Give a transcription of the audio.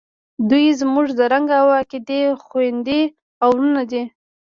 دوئ زموږ د رنګ او عقیدې خویندې او ورونه دي.